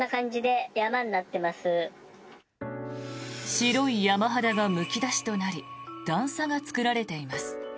白い山肌がむき出しとなり段差が作られています。